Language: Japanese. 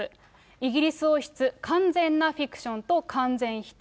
イギリス王室、完全なフィクションと完全否定。